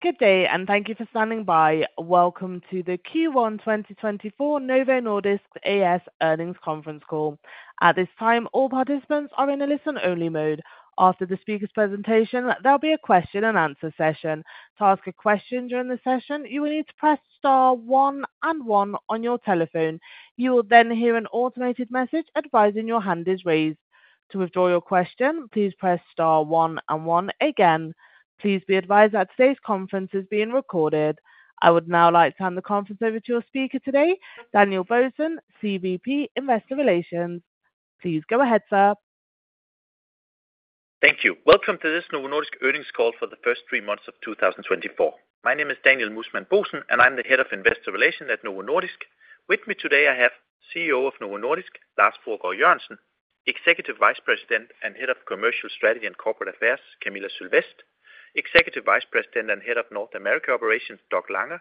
Good day, and thank you for standing by. Welcome to the Q1 2024 Novo Nordisk A/S Earnings Conference Call. At this time, all participants are in a listen-only mode. After the speaker's presentation, there'll be a question-and-answer session. To ask a question during the session, you will need to press star one and one on your telephone. You will then hear an automated message advising your hand is raised. To withdraw your question, please press star one and one again. Please be advised that today's conference is being recorded. I would now like to hand the conference over to your speaker today, Daniel Bohsen, CVP, Investor Relations. Please go ahead, sir. Thank you. Welcome to this Novo Nordisk earnings call for the first three months of 2024. My name is Daniel Muusmann Bohsen, and I'm the head of Investor Relations at Novo Nordisk. With me today, I have CEO of Novo Nordisk, Lars Fruergaard Jørgensen; Executive Vice President and Head of Commercial Strategy and Corporate Affairs, Camilla Sylvest; Executive Vice President and Head of North America Operations, Doug Langa;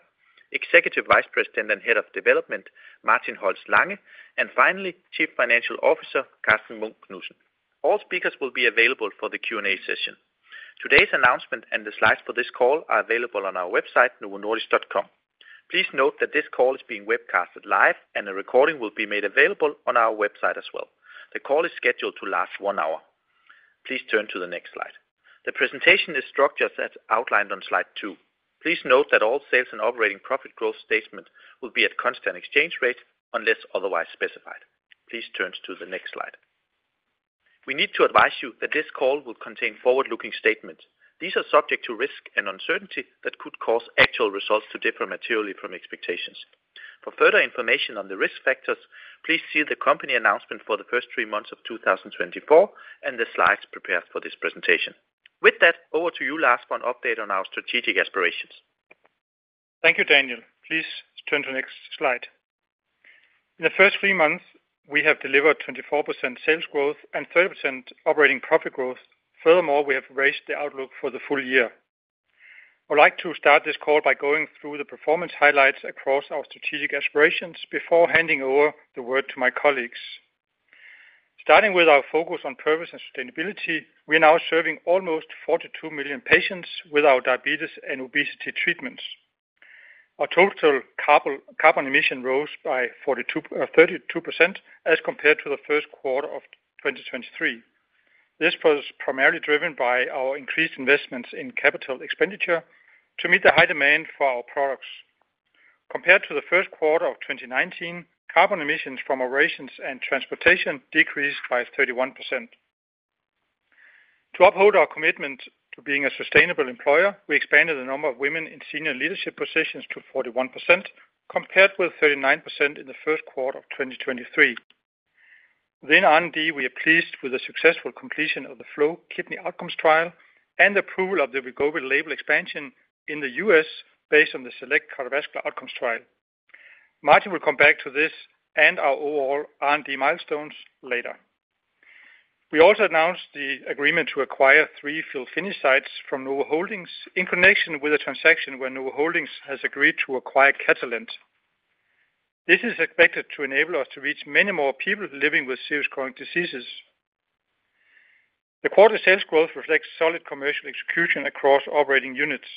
Executive Vice President and Head of Development, Martin Holst Lange; and finally, Chief Financial Officer, Karsten Munk Knudsen. All speakers will be available for the Q&A session. Today's announcement and the slides for this call are available on our website, novonordisk.com. Please note that this call is being webcasted live, and a recording will be made available on our website as well. The call is scheduled to last 1 hour. Please turn to the next slide. The presentation is structured as outlined on slide two. Please note that all sales and operating profit growth statements will be at constant exchange rates unless otherwise specified. Please turn to the next slide. We need to advise you that this call will contain forward-looking statements. These are subject to risk and uncertainty that could cause actual results to differ materially from expectations. For further information on the risk factors, please see the company announcement for the first three months of 2024 and the slides prepared for this presentation. With that, over to you, Lars, for an update on our strategic aspirations. Thank you, Daniel. Please turn to the next slide. In the first three months, we have delivered 24% sales growth and 30% operating profit growth. Furthermore, we have raised the outlook for the full year. I'd like to start this call by going through the performance highlights across our strategic aspirations before handing over the word to my colleagues. Starting with our focus on purpose and sustainability, we are now serving almost 42 million patients with our diabetes and obesity treatments. Our total carbon emissions rose by 32% as compared to the first quarter of 2023. This was primarily driven by our increased investments in capital expenditure to meet the high demand for our products. Compared to the first quarter of 2019, carbon emissions from operations and transportation decreased by 31%. To uphold our commitment to being a sustainable employer, we expanded the number of women in senior leadership positions to 41%, compared with 39% in the first quarter of 2023. Within R&D, we are pleased with the successful completion of the FLOW Kidney Outcomes trial and approval of the Wegovy label expansion in the U.S. based on the Select Cardiovascular Outcomes trial. Martin will come back to this and our overall R&D milestones later. We also announced the agreement to acquire three fill finish sites from Novo Holdings in connection with a transaction where Novo Holdings has agreed to acquire Catalent. This is expected to enable us to reach many more people living with serious chronic diseases. The quarter sales growth reflects solid commercial execution across operating units.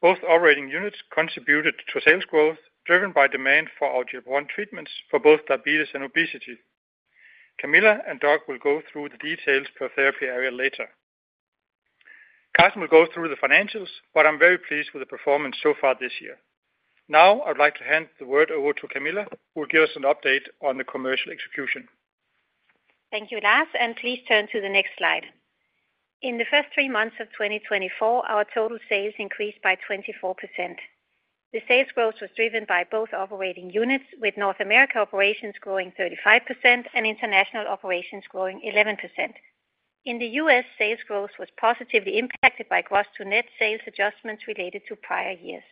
Both operating units contributed to sales growth, driven by demand for our GLP-1 treatments for both diabetes and obesity. Camilla and Doug will go through the details per therapy area later. Karsten will go through the financials, but I'm very pleased with the performance so far this year. Now, I'd like to hand the word over to Camilla, who will give us an update on the commercial execution. Thank you, Lars, and please turn to the next slide. In the first three months of 2024, our total sales increased by 24%. The sales growth was driven by both operating units, with North America Operations growing 35% and International Operations growing 11%. In the U.S., sales growth was positively impacted by gross to net sales adjustments related to prior years.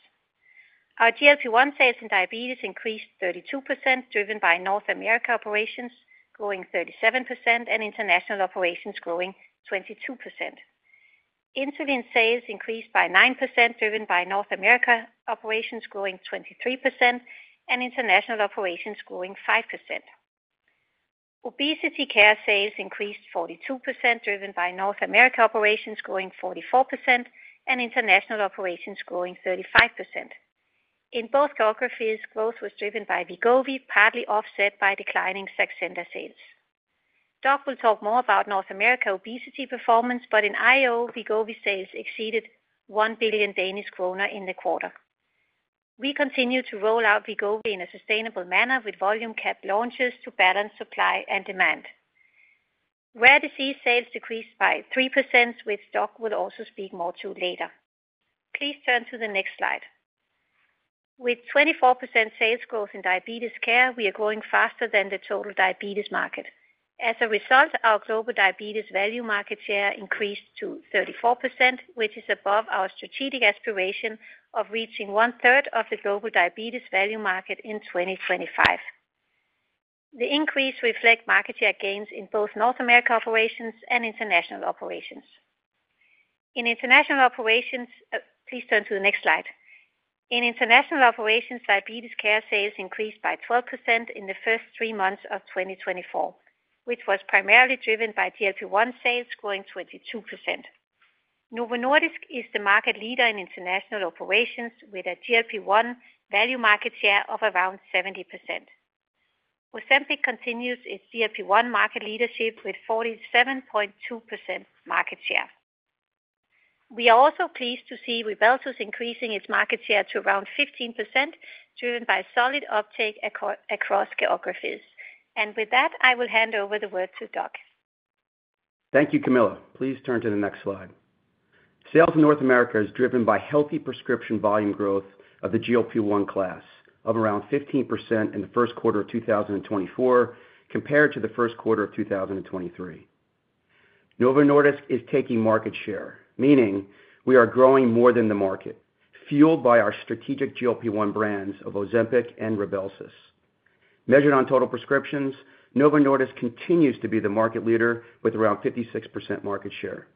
Our GLP-1 sales in diabetes increased 32%, driven by North America Operations growing 37% and International Operations growing 22%. Insulin sales increased by 9%, driven by North America Operations growing 23% and International Operations growing 5%. Obesity care sales increased 42%, driven by North America Operations growing 44% and International Operations growing 35%. In both geographies, growth was driven by Wegovy, partly offset by declining Saxenda sales. Doug will talk more about North America obesity performance, but in IO, Wegovy sales exceeded 1 billion Danish kroner in the quarter. We continue to roll out Wegovy in a sustainable manner with volume cap launches to balance supply and demand. Rare disease sales decreased by 3%, which Doug will also speak more to later. Please turn to the next slide. With 24% sales growth in diabetes care, we are growing faster than the total diabetes market. As a result, our global diabetes value market share increased to 34%, which is above our strategic aspiration of reaching 1/3 of the global diabetes value market in 2025. The increase reflect market share gains in both North America operations and international operations. In international operations, please turn to the next slide. In international operations, diabetes care sales increased by 12% in the first three months of 2024, which was primarily driven by GLP-1 sales growing 22%. Novo Nordisk is the market leader in international operations, with a GLP-1 value market share of around 70%. Ozempic continues its GLP-1 market leadership with 47.2% market share. We are also pleased to see Rybelsus increasing its market share to around 15%, driven by solid uptake across geographies. With that, I will hand over the word to Doug. Thank you, Camilla. Please turn to the next slide. Sales in North America is driven by healthy prescription volume growth of the GLP-1 class of around 15% in the first quarter of 2024, compared to the first quarter of 2023. Novo Nordisk is taking market share, meaning we are growing more than the market, fueled by our strategic GLP-1 brands of Ozempic and Rybelsus. Measured on total prescriptions, Novo Nordisk continues to be the market leader with around 56% market share.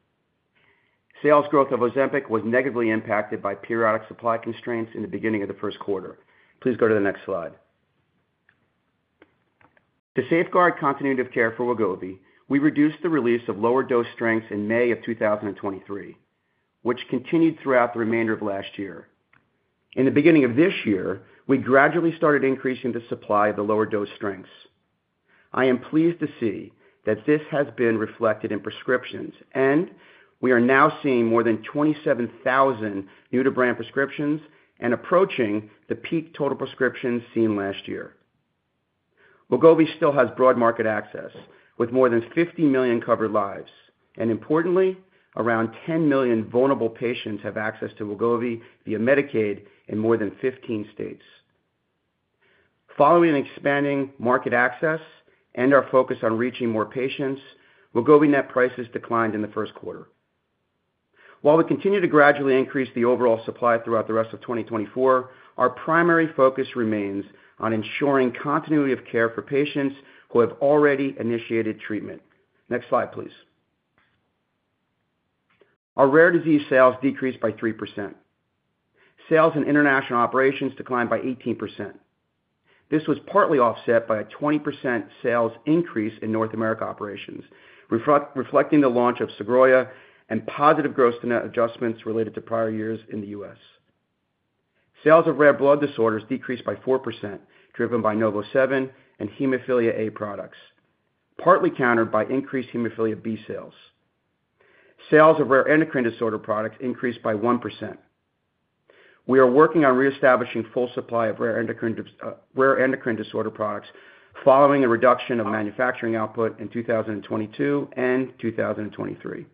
Sales growth of Ozempic was negatively impacted by periodic supply constraints in the beginning of the first quarter. Please go to the next slide. To safeguard continuity of care for Wegovy, we reduced the release of lower dose strengths in May of 2023, which continued throughout the remainder of last year. In the beginning of this year, we gradually started increasing the supply of the lower dose strengths. I am pleased to see that this has been reflected in prescriptions, and we are now seeing more than 27,000 new-to-brand prescriptions and approaching the peak total prescriptions seen last year. Wegovy still has broad market access, with more than 50 million covered lives, and importantly, around 10 million vulnerable patients have access to Wegovy via Medicaid in more than 15 states. Following an expanding market access and our focus on reaching more patients, Wegovy net prices declined in the first quarter. While we continue to gradually increase the overall supply throughout the rest of 2024, our primary focus remains on ensuring continuity of care for patients who have already initiated treatment. Next slide, please. Our rare disease sales decreased by 3%. Sales in international operations declined by 18%. This was partly offset by a 20% sales increase in North America operations, reflecting the launch of Sogroya and positive gross to net adjustments related to prior years in the U.S. Sales of rare blood disorders decreased by 4%, driven by NovoSeven and hemophilia A products, partly countered by increased hemophilia B sales. Sales of rare endocrine disorder products increased by 1%. We are working on reestablishing full supply of rare endocrine disorder products following a reduction of manufacturing output in 2022 and 2023.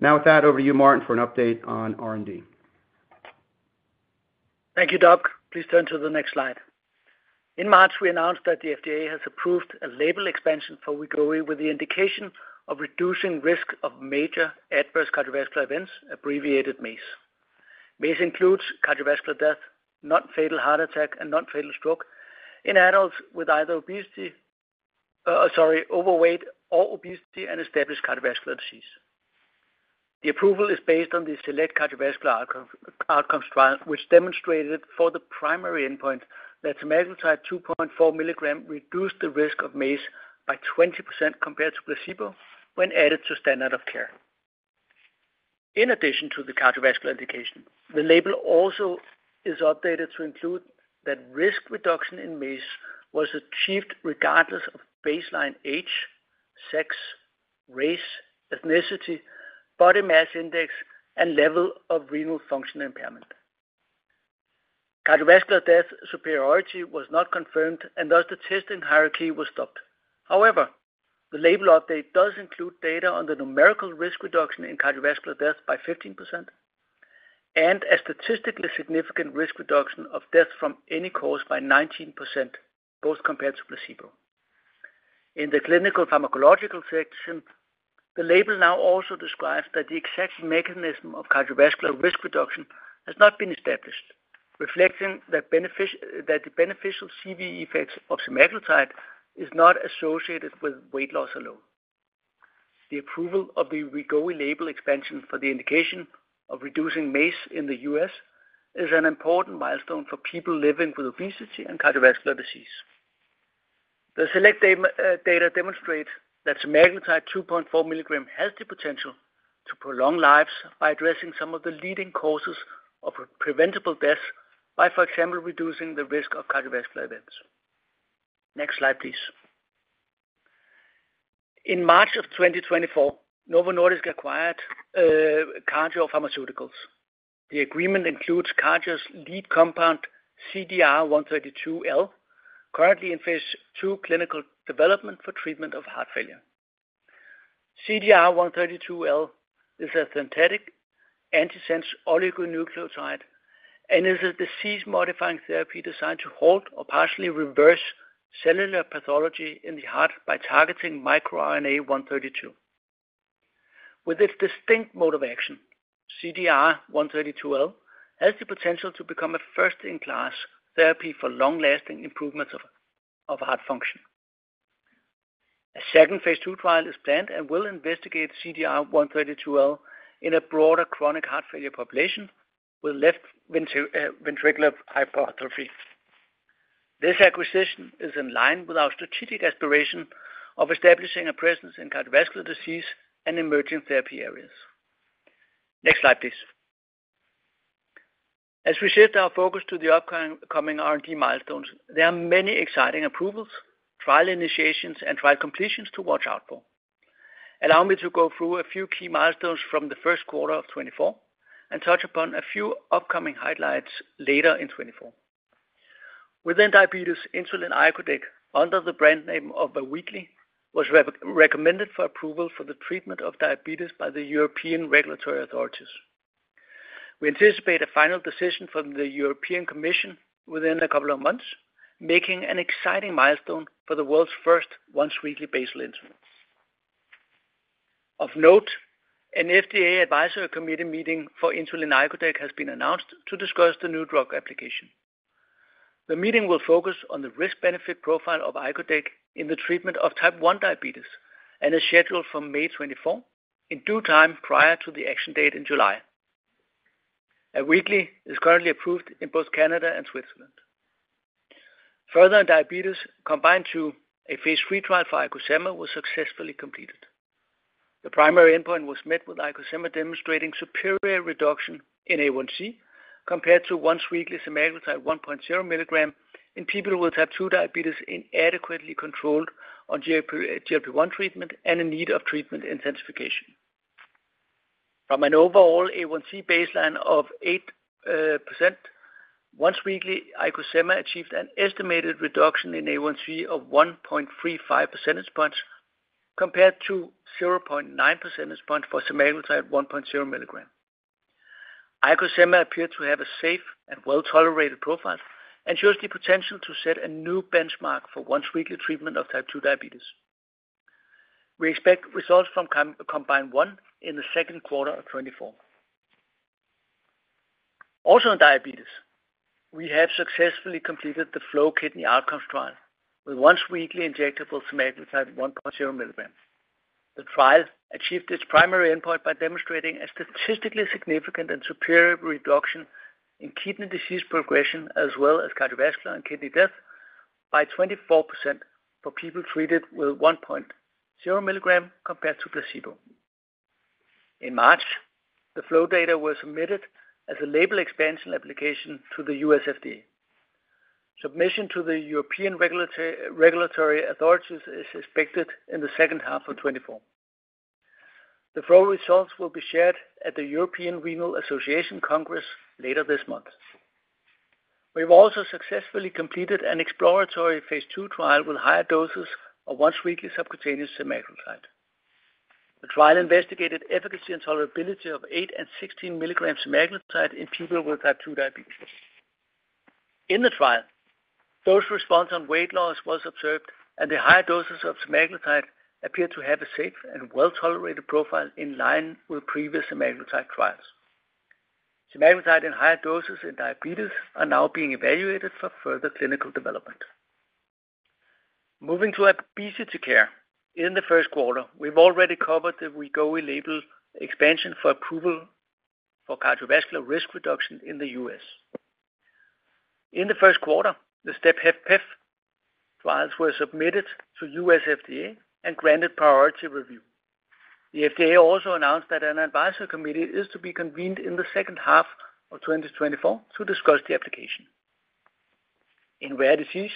Now with that, over to you, Martin, for an update on R&D. Thank you, Doug. Please turn to the next slide. In March, we announced that the FDA has approved a label expansion for Wegovy with the indication of reducing risk of major adverse cardiovascular events, abbreviated MACE. MACE includes cardiovascular death, non-fatal heart attack, and non-fatal stroke in adults with either obesity, overweight or obesity and established cardiovascular disease. The approval is based on the SELECT cardiovascular outcomes trial, which demonstrated for the primary endpoint that semaglutide 2.4 mg reduced the risk of MACE by 20% compared to placebo when added to standard of care. In addition to the cardiovascular indication, the label also is updated to include that risk reduction in MACE was achieved regardless of baseline age, sex, race, ethnicity, body mass index, and level of renal function impairment. Cardiovascular death superiority was not confirmed, and thus the testing hierarchy was stopped. However, the label update does include data on the numerical risk reduction in cardiovascular death by 15%, and a statistically significant risk reduction of death from any cause by 19%, both compared to placebo. In the clinical pharmacological section, the label now also describes that the exact mechanism of cardiovascular risk reduction has not been established, reflecting that the beneficial CV effects of semaglutide is not associated with weight loss alone. The approval of the Wegovy label expansion for the indication of reducing MACE in the U.S. is an important milestone for people living with obesity and cardiovascular disease. The SELECT data demonstrate that semaglutide 2.4 mg has the potential to prolong lives by addressing some of the leading causes of preventable deaths, by, for example, reducing the risk of cardiovascular events. Next slide, please. In March of 2024, Novo Nordisk acquired Cardior Pharmaceuticals. The agreement includes Cardior's lead compound, CDR132L, currently in phase II clinical development for treatment of heart failure. CDR132L is a synthetic antisense oligonucleotide and is a disease-modifying therapy designed to halt or partially reverse cellular pathology in the heart by targeting microRNA-132. With its distinct mode of action, CDR132L has the potential to become a first-in-class therapy for long-lasting improvements of heart function. A second phase 2 trial is planned and will investigate CDR132L in a broader chronic heart failure population with left ventricular hypertrophy. This acquisition is in line with our strategic aspiration of establishing a presence in cardiovascular disease and emerging therapy areas. Next slide, please. As we shift our focus to the upcoming R&D milestones, there are many exciting approvals, trial initiations, and trial completions to watch out for. Allow me to go through a few key milestones from the first quarter of 2024, and touch upon a few upcoming highlights later in 2024. Within diabetes, insulin icodec, under the brand name Awiqli, was recommended for approval for the treatment of diabetes by the European regulatory authorities. We anticipate a final decision from the European Commission within a couple of months, making an exciting milestone for the world's first once-weekly basal insulin. Of note, an FDA advisory committee meeting for insulin icodec has been announced to discuss the new drug application. The meeting will focus on the risk-benefit profile of icodec in the treatment of type 1 diabetes, and is scheduled for May 24, in due time prior to the action date in July. Awiqli is currently approved in both Canada and Switzerland. Further in diabetes, COMBINE 2, a phase III trial for IcoSema, was successfully completed. The primary endpoint was met with IcoSema demonstrating superior reduction in A1C, compared to once-weekly semaglutide 1.0 mg in people with type 2 diabetes, inadequately controlled on GLP-1 treatment and in need of treatment intensification. From an overall A1C baseline of 8%, once-weekly IcoSema achieved an estimated reduction in A1C of 1.35 percentage points, compared to 0.9 percentage points for semaglutide 1.0 mg. IcoSema appeared to have a safe and well-tolerated profile, and shows the potential to set a new benchmark for once-weekly treatment of type 2 diabetes. We expect results from COMBINE 1 in the second quarter of 2024. Also in diabetes, we have successfully completed the FLOW Kidney Outcomes trial with once-weekly injectable semaglutide 1.0 mg. The trial achieved its primary endpoint by demonstrating a statistically significant and superior reduction in kidney disease progression, as well as cardiovascular and kidney death, by 24% for people treated with 1.0 mg compared to placebo. In March, the FLOW data was submitted as a label expansion application to the U.S. FDA. Submission to the European Regulatory Authorities is expected in the second half of 2024. The FLOW results will be shared at the European Renal Association Congress later this month. We've also successfully completed an exploratory phase II trial with higher doses of once-weekly subcutaneous semaglutide. The trial investigated efficacy and tolerability of 8 mg and 16 mg semaglutide in people with type 2 diabetes. In the trial, dose response on weight loss was observed, and the higher doses of semaglutide appeared to have a safe and well-tolerated profile in line with previous semaglutide trials. Semaglutide in higher doses in diabetes are now being evaluated for further clinical development. Moving to obesity care. In the first quarter, we've already covered the Wegovy label expansion for approval for cardiovascular risk reduction in the U.S. In the first quarter, the STEP-HFpEF trials were submitted to the U.S. FDA and granted priority review. The FDA also announced that an advisory committee is to be convened in the second half of 2024 to discuss the application. In rare disease,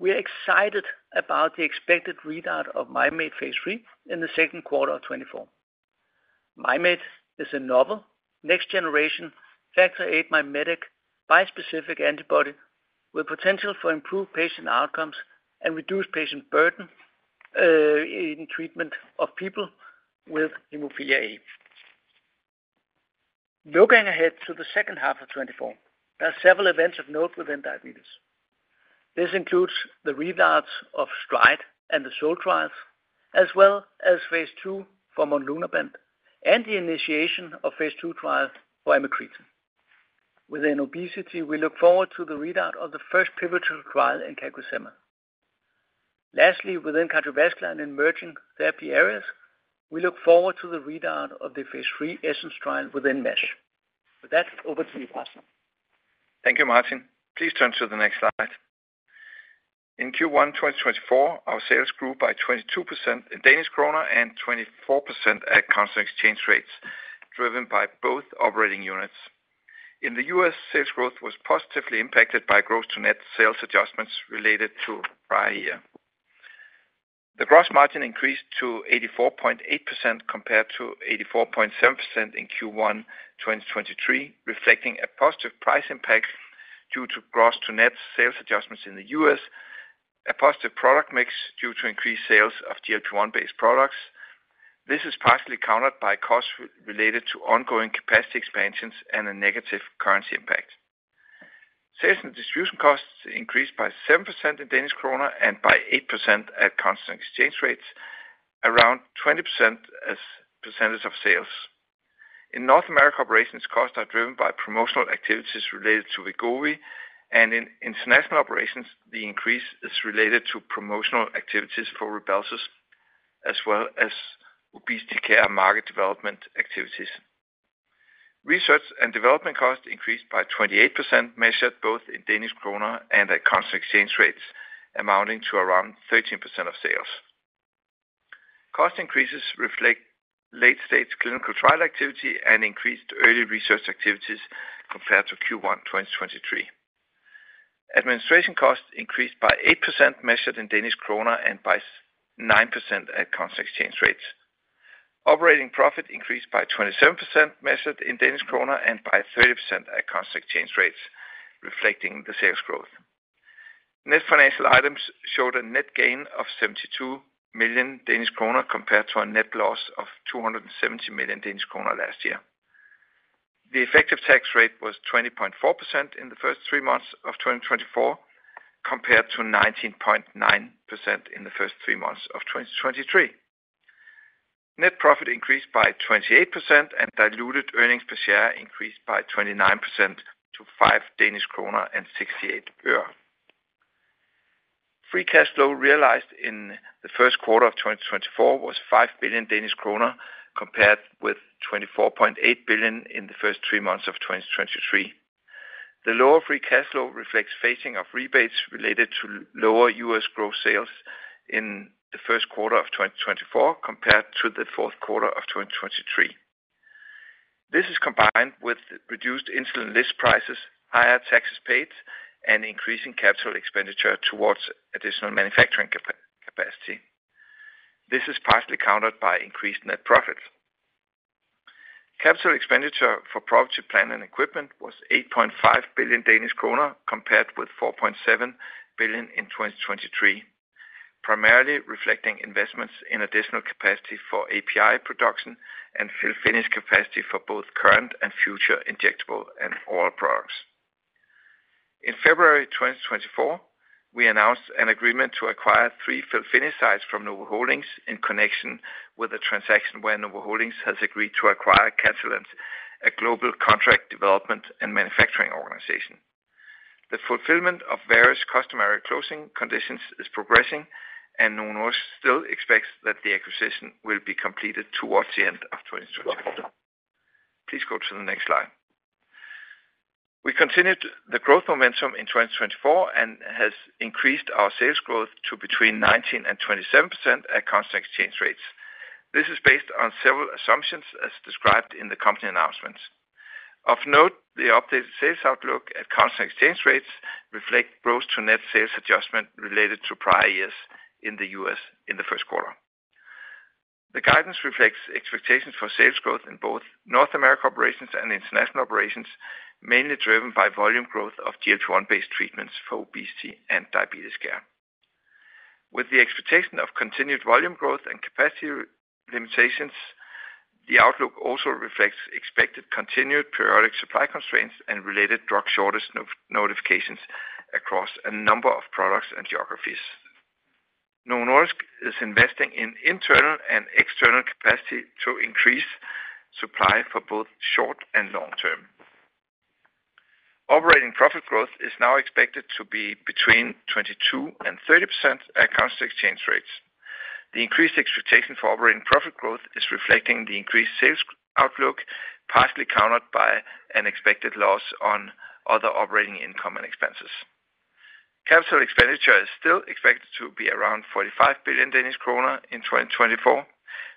we are excited about the expected readout of Mim8 phase III in the second quarter of 2024. Mim8 is a novel next generation Factor VIII mimetic bispecific antibody, with potential for improved patient outcomes and reduced patient burden in treatment of people with hemophilia A. Looking ahead to the second half of 2024, there are several events of note within diabetes. This includes the readouts of STRIDE and the SOUL trials, as well as phase II for Monlunabant and the initiation of phase II trials for amycretin. Within obesity, we look forward to the readout of the first pivotal trial in CagriSema. Lastly, within cardiovascular and emerging therapy areas, we look forward to the readout of the phase III ESSENCE trial within MASH. With that, over to you, Pascal. Thank you, Martin. Please turn to the next slide. In Q1 2024, our sales grew by 22% in DKK and 24% at constant exchange rates, driven by both operating units. In the U.S., sales growth was positively impacted by gross-to-net sales adjustments related to prior year. The gross margin increased to 84.8% compared to 84.7% in Q1 2023, reflecting a positive price impact due to gross-to-net sales adjustments in the U.S., a positive product mix due to increased sales of GLP-1 based products. This is partially countered by costs related to ongoing capacity expansions and a negative currency impact. Sales and distribution costs increased by 7% in DKK and by 8% at constant exchange rates, around 20% as percentage of sales. In North America, operations costs are driven by promotional activities related to Wegovy, and in international operations, the increase is related to promotional activities for Rybelsus, as well as obesity care market development activities. Research and development costs increased by 28%, measured both in DKK and at constant exchange rates, amounting to around 13% of sales. Cost increases reflect late-stage clinical trial activity and increased early research activities compared to Q1 2023. Administration costs increased by 8%, measured in DKK, and by 9% at constant exchange rates. Operating profit increased by 27%, measured in DKK, and by 30% at constant exchange rates, reflecting the sales growth. Net financial items showed a net gain of 72 million Danish kroner compared to a net loss of 270 million Danish kroner last year. The effective tax rate was 20.4% in the first three months of 2024, compared to 19.9% in the first three months of 2023. Net profit increased by 28%, and diluted earnings per share increased by 29% to 5.68 Danish krone. Free cash flow realized in the first quarter of 2024 was 5 billion Danish kroner, compared with 24.8 billion in the first three months of 2023. The lower free cash flow reflects phasing of rebates related to lower U.S. gross sales in the first quarter of 2024, compared to the fourth quarter of 2023. This is combined with reduced insulin list prices, higher taxes paid, and increasing capital expenditure towards additional manufacturing capacity. This is partially countered by increased net profit. Capital expenditure for property, plant, and equipment was 8.5 billion Danish kroner, compared with 4.7 billion in 2023, primarily reflecting investments in additional capacity for API production and fill finish capacity for both current and future injectable and oral products. In February 2024, we announced an agreement to acquire three fill finish sites from Novo Holdings in connection with a transaction where Novo Holdings has agreed to acquire Catalent, a global contract development and manufacturing organization. The fulfillment of various customary closing conditions is progressing, and Novo still expects that the acquisition will be completed towards the end of 2024. Please go to the next slide. We continued the growth momentum in 2024 and has increased our sales growth to between 19% and 27% at constant exchange rates. This is based on several assumptions, as described in the company announcements. Of note, the updated sales outlook at constant exchange rates reflect gross to net sales adjustment related to prior years in the U.S. in the first quarter. The guidance reflects expectations for sales growth in both North America Operations and International Operations, mainly driven by volume growth of GLP-1 based treatments for obesity and diabetes care. With the expectation of continued volume growth and capacity limitations, the outlook also reflects expected continued periodic supply constraints and related drug shortage notifications across a number of products and geographies. Novo Nordisk is investing in internal and external capacity to increase supply for both short and long term. Operating profit growth is now expected to be between 22% and 30% at constant exchange rates. The increased expectation for operating profit growth is reflecting the increased sales outlook, partially countered by an expected loss on other operating income and expenses. Capital expenditure is still expected to be around 45 billion Danish kroner in 2024,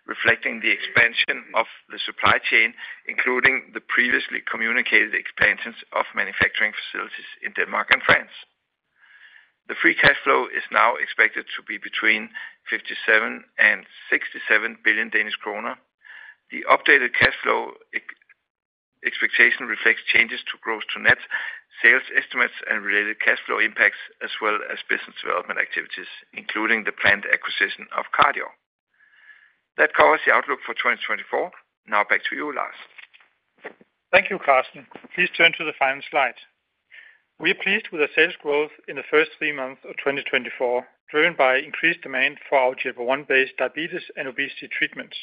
reflecting the expansion of the supply chain, including the previously communicated expansions of manufacturing facilities in Denmark and France. The free cash flow is now expected to be between 57 billion and 67 billion Danish kroner. The updated cash flow expectation reflects changes to gross to net sales estimates and related cash flow impacts, as well as business development activities, including the planned acquisition of Cardior. That covers the outlook for 2024. Now back to you, Lars. Thank you, Karsten. Please turn to the final slide. We are pleased with the sales growth in the first three months of 2024, driven by increased demand for our GLP-1 based diabetes and obesity treatments.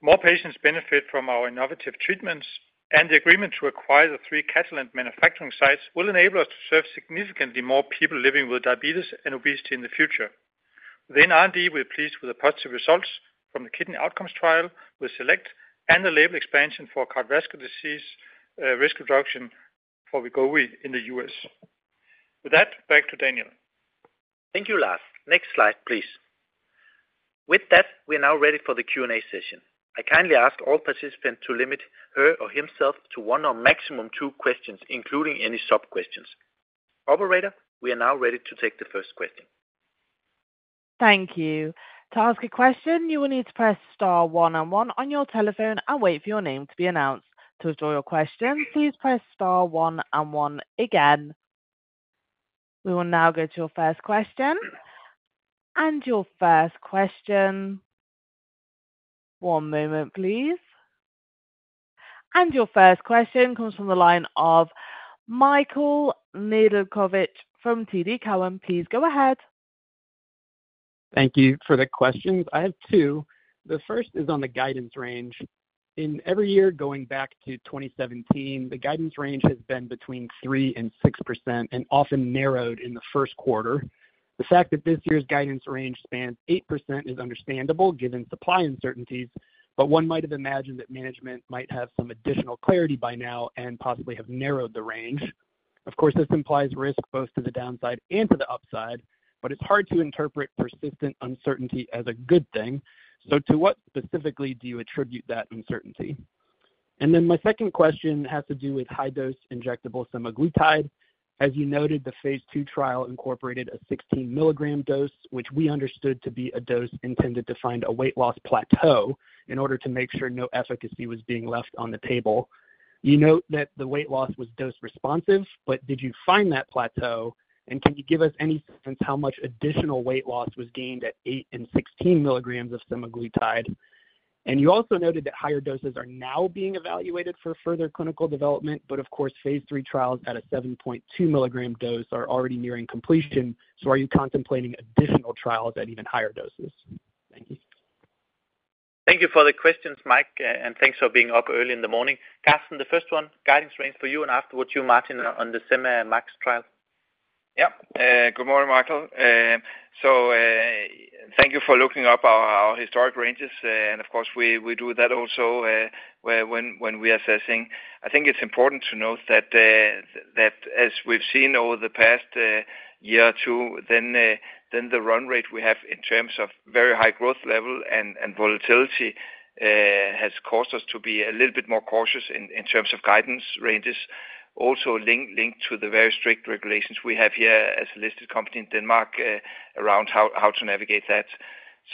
More patients benefit from our innovative treatments, and the agreement to acquire the three Catalent manufacturing sites will enable us to serve significantly more people living with diabetes and obesity in the future. Within R&D, we are pleased with the positive results from the kidney outcomes trial with SELECT and the label expansion for cardiovascular disease risk reduction for Wegovy in the U.S. With that, back to Daniel. Thank you, Lars. Next slide, please. With that, we are now ready for the Q&A session. I kindly ask all participants to limit her or himself to one or maximum two questions, including any sub-questions. Operator, we are now ready to take the first question. Thank you. To ask a question, you will need to press star one on one on your telephone and wait for your name to be announced. To withdraw your question, please press star one and one again. We will now go to your first question. And your first question. One moment, please. And your first question comes from the line of Michael Nedelcovych from TD Cowen. Please go ahead. .Thank you for the questions. I have two. The first is on the guidance range. In every year, going back to 2017, the guidance range has been between 3% and 6% and often narrowed in the first quarter. The fact that this year's guidance range spans 8% is understandable, given supply uncertainties, but one might have imagined that management might have some additional clarity by now and possibly have narrowed the range. Of course, this implies risk both to the downside and to the upside, but it's hard to interpret persistent uncertainty as a good thing. So to what specifically do you attribute that uncertainty? And then my second question has to do with high-dose injectable semaglutide. As you noted, the phase II trial incorporated a 16 mg dose, which we understood to be a dose intended to find a weight loss plateau in order to make sure no efficacy was being left on the table. You note that the weight loss was dose responsive, but did you find that plateau? And can you give us any sense how much additional weight loss was gained at 8 mg and 16 mg of semaglutide? And you also noted that higher doses are now being evaluated for further clinical development, but of course, phase III trials at a 7.2 milligram dose are already nearing completion. So are you contemplating additional trials at even higher doses? Thank you. Thank you for the questions, Mike, and thanks for being up early in the morning. Karsten, the first one, guidance range for you, and afterwards, you, Martin, on the semi max trial. Yeah, good morning, Michael. So, thank you for looking up our historical ranges, and of course we do that also when we are assessing. I think it's important to note that as we've seen over the past year or two, then the run rate we have in terms of very high growth level and volatility has caused us to be a little bit more cautious in terms of guidance ranges. Also linked to the very strict regulations we have here as a listed company in Denmark around how to navigate that.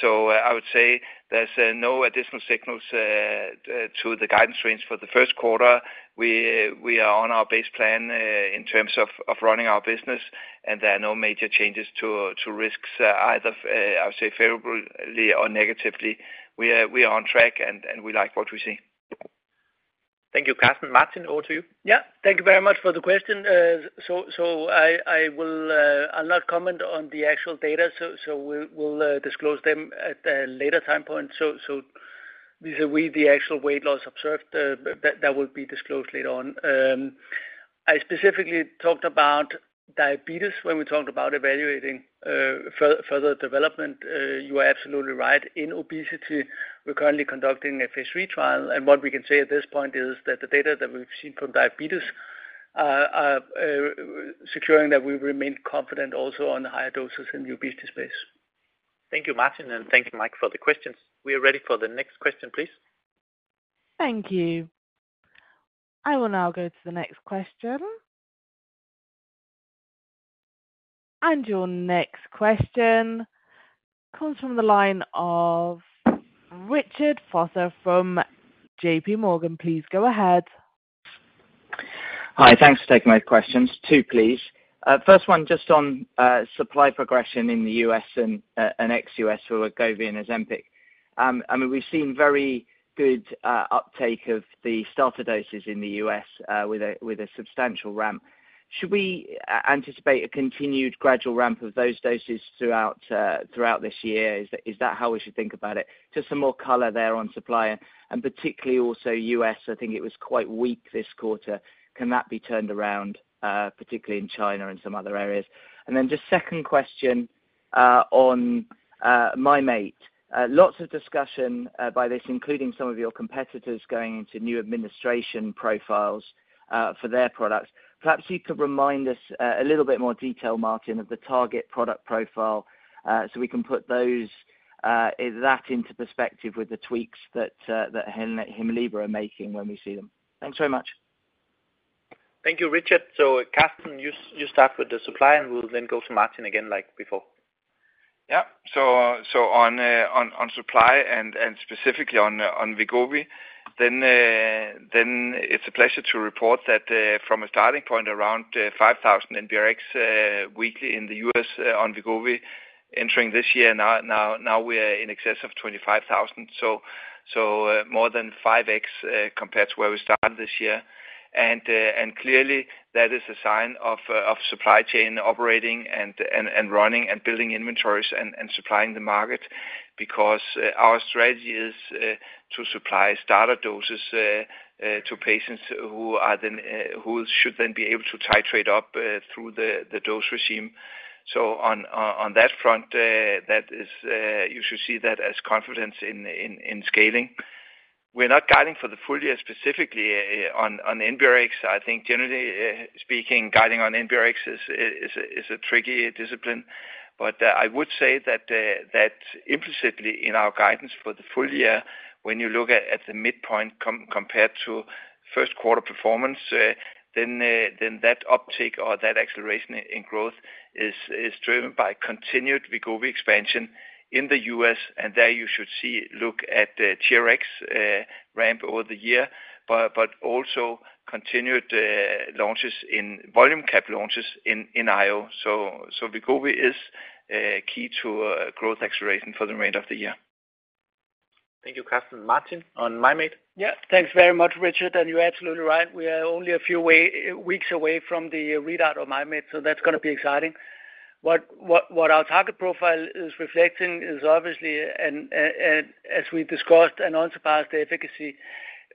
So I would say there's no additional signals to the guidance range for the first quarter. We are on our base plan in terms of running our business, and there are no major changes to risks, either, I would say, favorably or negatively. We are on track, and we like what we see. Thank you, Karsten. Martin, over to you. Yeah, thank you very much for the question. So, I will, I'll not comment on the actual data, so we'll disclose them at a later time point. So, these are we, the actual weight loss observed, that will be disclosed later on. I specifically talked about diabetes when we talked about evaluating further development. You are absolutely right. In obesity, we're currently conducting a phase III trial, and what we can say at this point is that the data that we've seen from diabetes are securing that we remain confident also on higher doses in the obesity space. Thank you, Martin, and thank you, Mike, for the questions. We are ready for the next question, please. Thank you. I will now go to the next question. Your next question comes from the line of Richard Vosser from JPMorgan. Please go ahead. Hi, thanks for taking my questions. Two, please. First one, just on supply progression in the U.S. and ex-U.S. for Wegovy and Ozempic. I mean, we've seen very good uptake of the starter doses in the US with a substantial ramp. Should we anticipate a continued gradual ramp of those doses throughout this year? Is that how we should think about it? Just some more color there on supply, and particularly also U.S., I think it was quite weak this quarter. Can that be turned around, particularly in China and some other areas? And then just second question on Mim8. Lots of discussion about this, including some of your competitors going into new administration profiles for their products. Perhaps you could remind us, a little bit more detail, Martin, of the target product profile, so we can put those, that into perspective with the tweaks that HEMLIBRA are making when we see them. Thanks so much. Thank you, Richard. So, Karsten, you start with the supply, and we'll then go to Martin again, like before. Yeah. So on supply and specifically on Wegovy, then it's a pleasure to report that from a starting point around 5,000 NBRx weekly in the U.S. on Wegovy entering this year, now we are in excess of 25,000. So more than 5x compared to where we started this year. And clearly that is a sign of supply chain operating and running and building inventories and supplying the market, because our strategy is to supply starter doses to patients who are then who should then be able to titrate up through the dose regime. So on that front, that is, you should see that as confidence in scaling. We're not guiding for the full year, specifically on NBRx. I think generally speaking, guiding on NBRx is a tricky discipline. But I would say that implicitly in our guidance for the full year, when you look at the midpoint compared to first quarter performance, then that uptick or that acceleration in growth is driven by continued Wegovy expansion in the U.S., and there you should see look at the TRx ramp over the year, but also continued launches in volume cap launches in IO. So Wegovy is key to growth acceleration for the remainder of the year. Thank you, Karsten. Martin, on Mim8? Yeah, thanks very much, Richard, and you're absolutely right. We are only a few weeks away from the readout of Mim8, so that's gonna be exciting. What our target profile is reflecting is obviously, and as we discussed, a non-surpassed efficacy.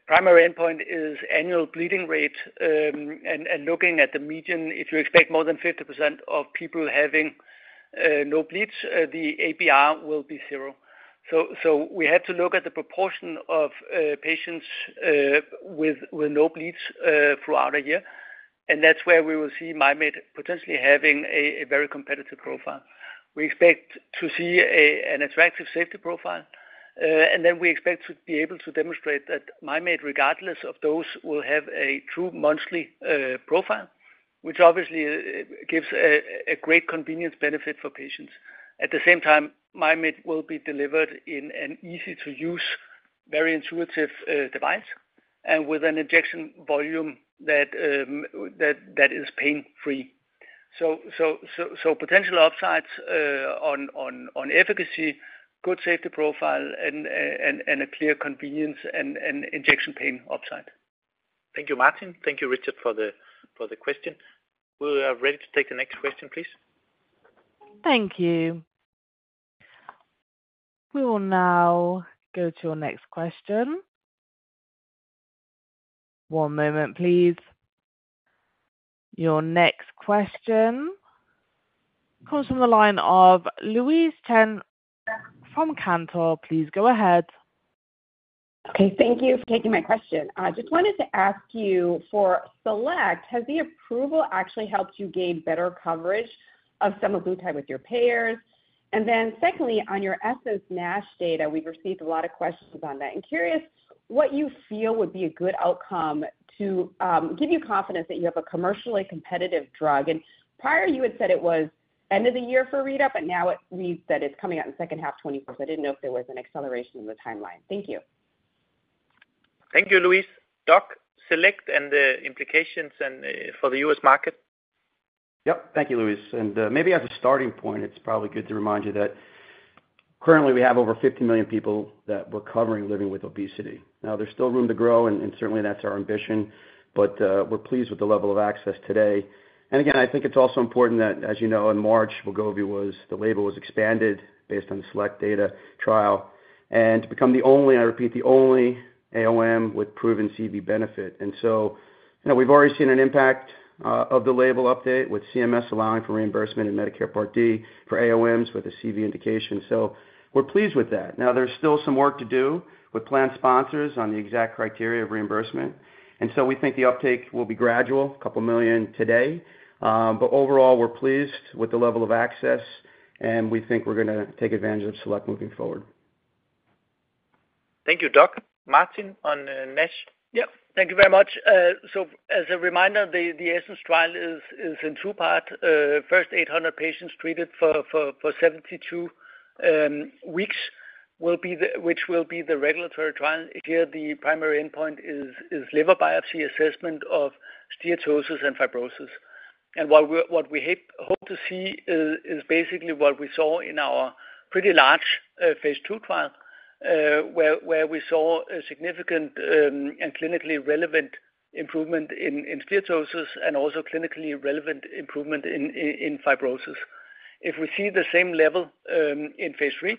Primary endpoint is annual bleeding rates, and looking at the median, if you expect more than 50% of people having no bleeds, the ABR will be zero. So we had to look at the proportion of patients with no bleeds throughout a year, and that's where we will see Mim8 potentially having a very competitive profile. We expect to see an attractive safety profile, and then we expect to be able to demonstrate that Mim8, regardless of those, will have a true monthly profile, which obviously gives a great convenience benefit for patients. At the same time, Mim8 will be delivered in an easy-to-use, very intuitive device, and with an injection volume that is pain-free. So, potential upsides on efficacy, good safety profile, and a clear convenience and injection pain upside. Thank you, Martin. Thank you, Richard, for the, for the question. We are ready to take the next question, please. Thank you. We will now go to our next question. One moment, please. Your next question comes from the line of Louise Chen from Cantor. Please go ahead. Okay, thank you for taking my question. I just wanted to ask you, for SELECT, has the approval actually helped you gain better coverage of semaglutide with your payers? And then secondly, on your ESSENCE NASH data, we've received a lot of questions on that. I'm curious what you feel would be a good outcome to give you confidence that you have a commercially competitive drug? And prior, you had said it was end of the year for readout, but now it reads that it's coming out in second half 2024. So I didn't know if there was an acceleration in the timeline. Thank you. Thank you, Louise. Doug, SELECT and the implications and for the U.S. market? Yep. Thank you, Louise, and, maybe as a starting point, it's probably good to remind you that currently we have over 50 million people that we're covering living with obesity. Now, there's still room to grow, and, and certainly that's our ambition, but, we're pleased with the level of access today. And again, I think it's also important that, as you know, in March, Wegovy was, the label was expanded based on the SELECT trial, and to become the only, I repeat, the only AOM with proven CV benefit. And so, you know, we've already seen an impact, of the label update with CMS allowing for reimbursement in Medicare Part D for AOMs with a CV indication. So we're pleased with that. Now, there's still some work to do with plan sponsors on the exact criteria of reimbursement, and so we think the uptake will be gradual, couple million today. But overall, we're pleased with the level of access, and we think we're gonna take advantage of SELECT moving forward. Thank you, Doug. Martin, on NASH? Yeah. Thank you very much. So as a reminder, the ESSENCE trial is in two parts. First, 800 patients treated for 72 weeks will be which will be the regulatory trial. Here, the primary endpoint is liver biopsy assessment of steatosis and fibrosis. And what we hope to see is basically what we saw in our pretty large phase II trial, where we saw a significant and clinically relevant improvement in steatosis, and also clinically relevant improvement in fibrosis. If we see the same level in phase III,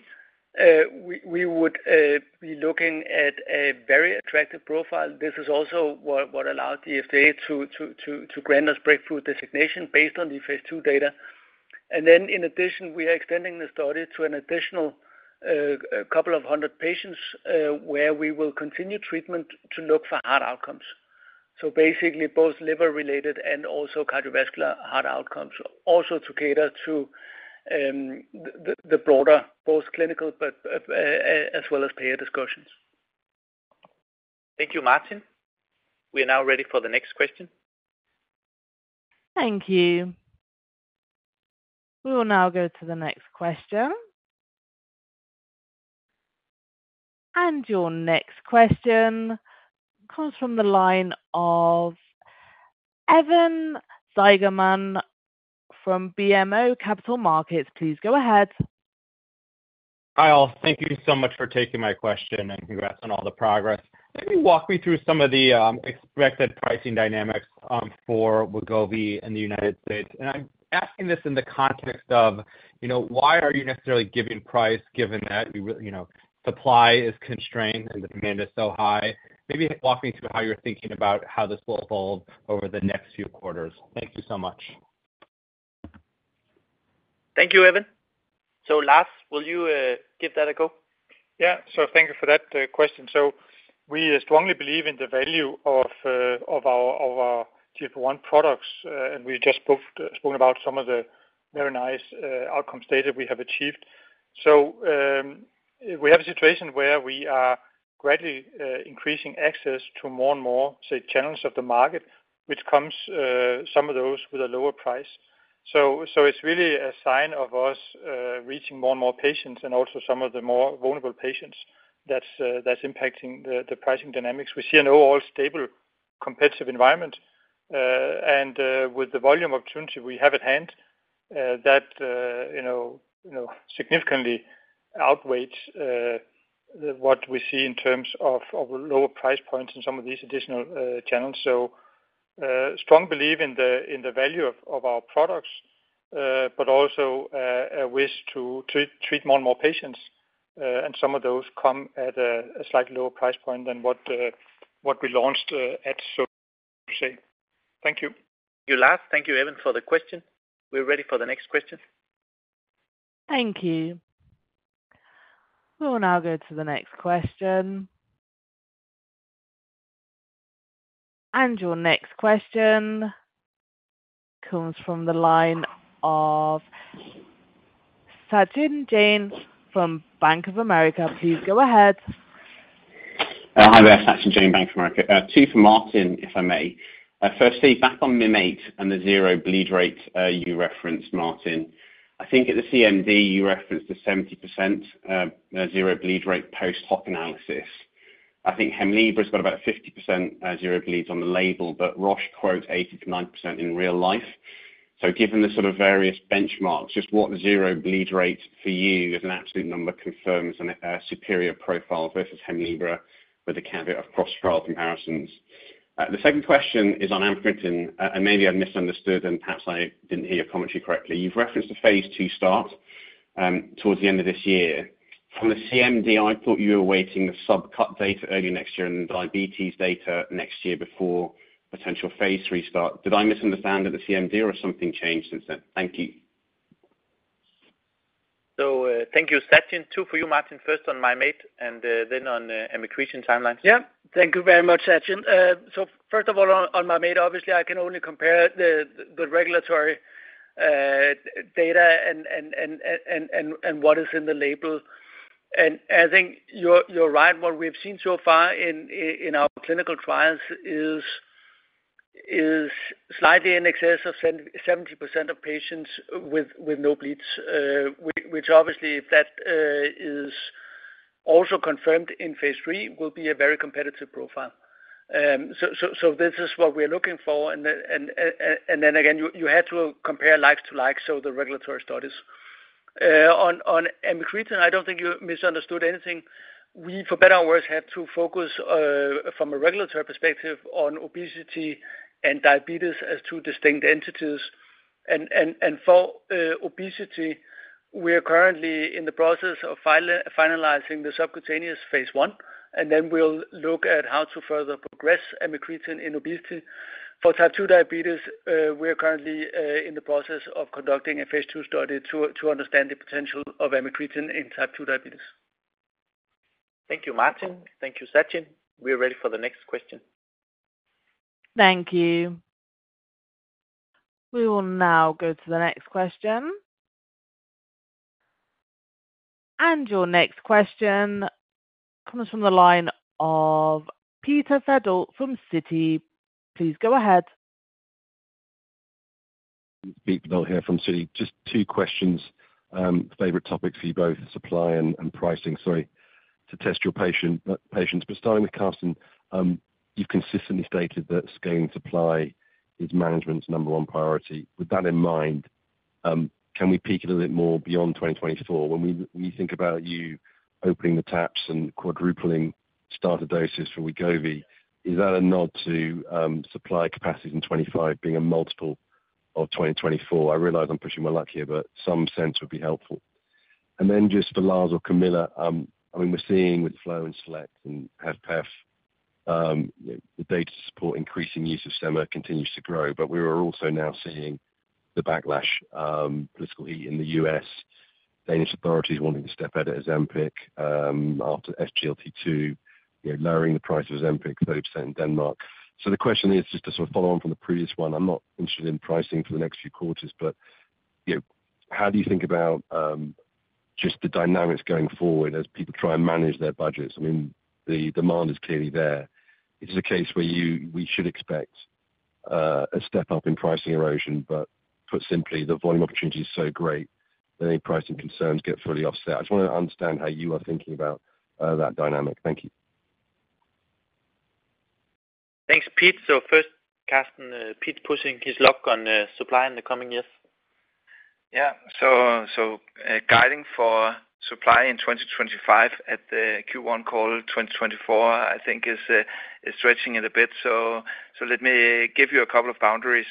we would be looking at a very attractive profile. This is also what allowed the U.S. FDA to grant us breakthrough designation based on the phase II data. And then in addition, we are extending the study to an additional couple of hundred patients, where we will continue treatment to look for heart outcomes. So basically, both liver-related and also cardiovascular heart outcomes, also to cater to the broader, both clinical but as well as payer discussions. Thank you, Martin. We are now ready for the next question. Thank you. We will now go to the next question. Your next question comes from the line of Evan Seigerman from BMO Capital Markets. Please go ahead. Hi, all. Thank you so much for taking my question, and congrats on all the progress. Maybe walk me through some of the expected pricing dynamics for Wegovy in the United States. I'm asking this in the context of, you know, why are you necessarily giving price given that you know, supply is constrained and the demand is so high? Maybe walk me through how you're thinking about how this will evolve over the next few quarters. Thank you so much. Thank you, Evan. So, Lars, will you give that a go? Yeah. So thank you for that question. So we strongly believe in the value of our GLP-1 products, and we just both spoken about some of the very nice outcome data we have achieved. So we have a situation where we are gradually increasing access to more and more, say, channels of the market, which comes, some of those with a lower price. So it's really a sign of us reaching more and more patients and also some of the more vulnerable patients that's impacting the pricing dynamics. We see an overall stable, competitive environment, and with the volume opportunity we have at hand that you know significantly outweighs what we see in terms of lower price points in some of these additional channels. So, strong belief in the value of our products, but also a wish to treat more and more patients, and some of those come at a slightly lower price point than what we launched at. So thank you. You, Lars. Thank you, Evan, for the question. We're ready for the next question. Thank you. We will now go to the next question. Your next question comes from the line of Sachin Jain from Bank of America. Please go ahead. Hi there, Sachin Jain, Bank of America. Two for Martin, if I may. Firstly, back on Mim8 and the zero bleed rate you referenced, Martin. I think at the CMD, you referenced the 70% zero bleed rate post hoc analysis. I think HEMLIBRA's got about 50% zero bleeds on the label, but Roche quotes 80%-90% in real life. So given the sort of various benchmarks, just what zero bleed rate for you is an absolute number confirms on a superior profile versus HEMLIBRA, with the caveat of cross-trial comparisons. The second question is on amycretin, and maybe I misunderstood, and perhaps I didn't hear your commentary correctly. You've referenced a phase II start towards the end of this year. From the CMD, I thought you were awaiting the sub-cut data early next year and diabetes data next year before potential Phase III start. Did I misunderstand at the CMD, or has something changed since then? Thank you. Thank you, Sachin. Two for you, Martin. First on Mim8 and then on amycretin timelines. Yeah. Thank you very much, Sachin. So first of all, on Mim8, obviously, I can only compare the regulatory data and what is in the label. And I think you're right. What we've seen so far in our clinical trials is slightly in excess of 77% of patients with no bleeds, which obviously, if that is also confirmed in phase III, will be a very competitive profile. So this is what we're looking for, and then again, you had to compare like to like, so the regulatory studies. On amycretin, I don't think you misunderstood anything. We, for better or worse, had to focus from a regulatory perspective on obesity and diabetes as two distinct entities. For obesity, we are currently in the process of finalizing the subcutaneous phase I, and then we'll look at how to further progress amycretin in obesity. For type 2 diabetes, we are currently in the process of conducting a phase II study to understand the potential of amycretin in type 2 diabetes. Thank you, Martin. Thank you, Sachin. We are ready for the next question. Thank you. We will now go to the next question. Your next question comes from the line of Peter Verdult from Citi. Please go ahead. Peter Verdult here from Citi. Just two questions. Favorite topics for you, both supply and pricing. Sorry to test your patience. But starting with Karsten, you've consistently stated that scaling supply is management's number one priority. With that in mind, can we peek a little bit more beyond 2024? When we think about you opening the taps and quadrupling starter doses for Wegovy, is that a nod to supply capacity in 2025 being a multiple of 2024? I realize I'm pushing my luck here, but some sense would be helpful. And then just for Lars or Camilla, I mean, we're seeing with FLOW and SELECT and HFpEF, the data support increasing use of sema continues to grow. But we are also now seeing the backlash, politically in the U.S., Danish authorities wanting to step out of Ozempic, after SGLT-2, you know, lowering the price of Ozempic 30% in Denmark. So the question is, just to sort of follow on from the previous one, I'm not interested in pricing for the next few quarters, but, you know, how do you think about, just the dynamics going forward as people try and manage their budgets? I mean, the demand is clearly there. Is it a case where you- we should expect, a step-up in pricing erosion, but put simply, the volume opportunity is so great that any pricing concerns get fully offset? I just want to understand how you are thinking about, that dynamic. Thank you. Thanks, Pete. First, Karsten, Pete pushing his luck on supply in the coming years. Yeah. Guiding for supply in 2025 at the Q1 call 2024, I think is stretching it a bit. So let me give you a couple of boundaries.